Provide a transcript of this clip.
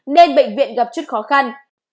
nên bệnh viện gặp chút khó khăn